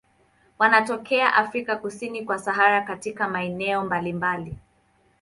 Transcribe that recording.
Wanatokea Afrika kusini kwa Sahara katika maeneo mbalimbali.